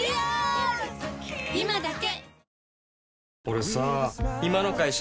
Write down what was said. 今だけ！